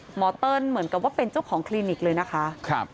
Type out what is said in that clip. เติ้ลเหมือนกับว่าเป็นเจ้าของคลินิกเลยนะคะ